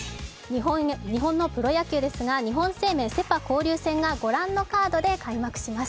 日本のプロ野球ですが、日本生命セ・パ交流戦がご覧のカードで開幕します。